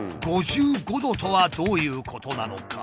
５５℃とはどういうことなのか？